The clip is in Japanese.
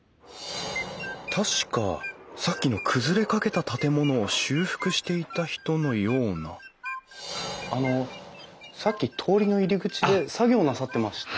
確かさっきの崩れかけた建物を修復していた人のようなあのさっき通りの入り口で作業なさってました？